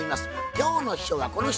今日の秘書はこの人。